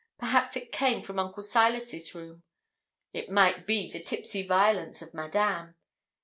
Perhaps it came from Uncle Silas's room. It might be the tipsy violence of Madame.